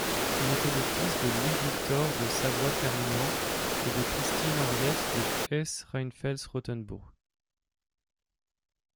Il était le fils de Louis-Victor de Savoie-Carignan et de Christine-Henriette de Hesse-Rheinfels-Rotenbourg.